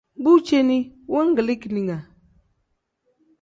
Bu ceeni wangilii keninga.